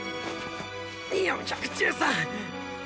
４１３！